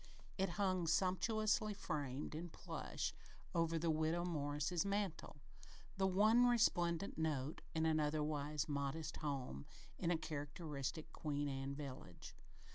It hung sumptuously framed in plush, over the Widow Morris's mantel, the one resplendent note in an otherwise modest home, in a characteristic Queen Anne village.